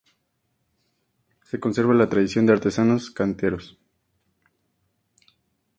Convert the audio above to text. Se conserva la tradición de artesanos canteros.